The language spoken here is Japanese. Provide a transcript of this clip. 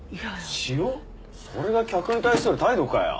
それが客に対する態度かよ。